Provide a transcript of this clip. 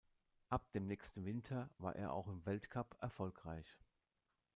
Ab dem nächsten Winter war er auch im Weltcup erfolgreich.